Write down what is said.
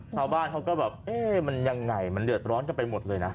ชาวบ้านเขาก็แบบเอ๊ะมันยังไงมันเดือดร้อนกันไปหมดเลยนะ